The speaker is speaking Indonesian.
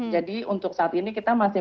jadi untuk saat ini kita masih